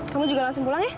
kamu juga langsung pulang ya